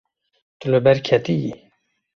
Tu li ber ketiyî.